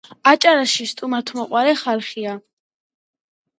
აჭარაში სტუმართმოყვარე ხალხია.